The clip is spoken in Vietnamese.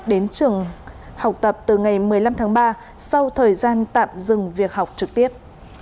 đến trường học tập từ ngày một mươi năm tháng ba sau thời gian tạm dừng việc học trực tiếp